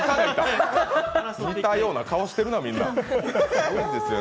似たような顔してるなみんな。